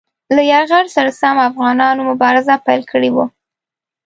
له یرغل سره سم افغانانو مبارزه پیل کړې وه.